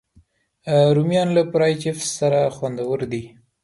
رومیان له فرای چپس سره خوندور دي